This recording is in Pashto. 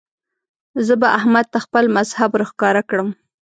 زه به احمد ته خپل مذهب ور ښکاره کړم.